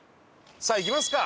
さあ行きますか！